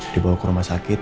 dibawa ke rumah sakit